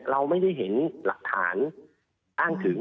เราไม่ได้เห็นหลักฐานอ้างถึง